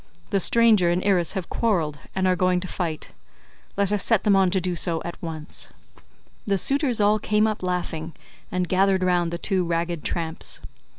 The stranger and Irus have quarreled and are going to fight, let us set them on to do so at once." The suitors all came up laughing, and gathered round the two ragged tramps.